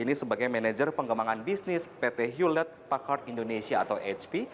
ini sebagai manager pengembangan bisnis pt hewlett packard indonesia atau hp